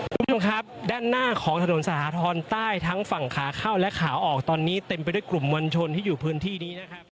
คุณผู้ชมครับด้านหน้าของถนนสาธรณ์ใต้ทั้งฝั่งขาเข้าและขาออกตอนนี้เต็มไปด้วยกลุ่มมวลชนที่อยู่พื้นที่นี้นะครับ